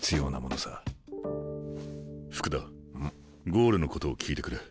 ゴールのことを聞いてくれ。